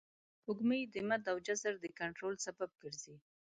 سپوږمۍ د مد او جزر د کنټرول سبب ګرځي